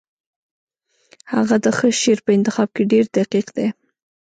هغه د ښه شعر په انتخاب کې ډېر دقیق دی